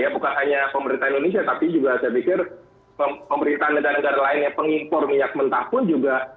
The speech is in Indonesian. bukan hanya pemerintah indonesia tapi juga saya pikir pemerintah negara negara lain yang pengimpor minyak mentah pun juga